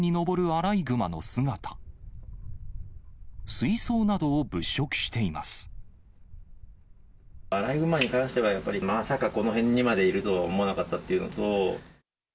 アライグマに関しては、やっぱりまさかこの辺にまでいるとは思わなかったというのと。